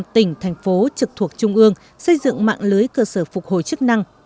một mươi tỉnh thành phố trực thuộc trung ương xây dựng mạng lưới cơ sở phục hồi chức năng